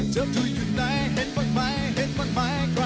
ตอนนี้อยู่ไหนเทียบถึงไหน